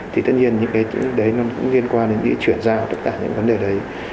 thì tất nhiên những cái đấy nó cũng liên quan đến cái chuyển giao tất cả những vấn đề đấy